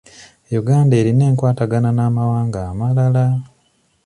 Uganda erina enkwatagana n'amawanga amalala.